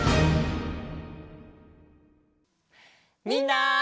みんな！